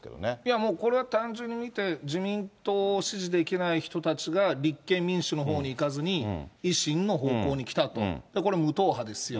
もう、これは単純に見て、自民党支持できない人たちが、立憲民主のほうに行かずに、維新の方向にきたと、これ、無党派ですよ。